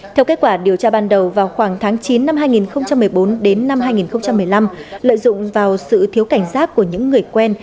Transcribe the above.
theo kết quả điều tra ban đầu vào khoảng tháng chín năm hai nghìn một mươi bốn đến năm hai nghìn một mươi năm lợi dụng vào sự thiếu cảnh giác của những người quen